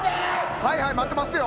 はいはい、待ってますよ。